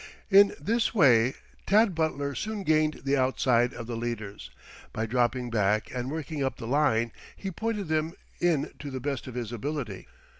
In this way Tad Butler soon gained the outside of the leaders. By dropping back and working up the line, he pointed them in to the best of his ability.